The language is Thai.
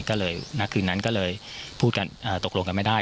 ก็เลยณคืนนั้นก็เลยพูดกันตกลงกันไม่ได้